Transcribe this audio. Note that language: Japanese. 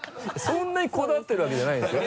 そんなにこだわってるわけじゃないんですよ